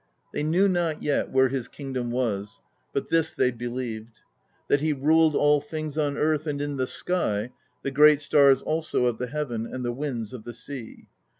They knew not yet where his kingdom was; but this they beheved: that he ruled all things on earth and in the sky, the great stars also of the heaven, and the winds of the sea.